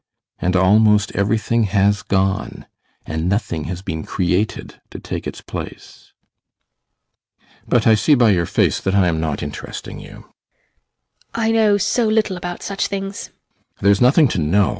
And almost everything has gone, and nothing has been created to take its place. [Coldly] But I see by your face that I am not interesting you. HELENA. I know so little about such things! ASTROFF. There is nothing to know.